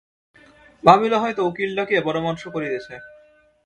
ভাবিল হয়তো উকিল ডাকিয়া পরামর্শ করিতেছে।